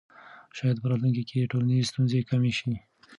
شاید په راتلونکي کې ټولنیزې ستونزې کمې سي.